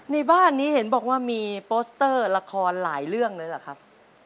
ในบ้านนี้เห็นบอกว่ามีโปสเตอร์ละครหลายเรื่องเลยเหรอครับ